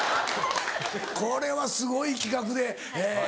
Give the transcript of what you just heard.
これはすごい企画でえ